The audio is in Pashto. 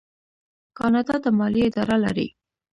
کاناډا د مالیې اداره لري.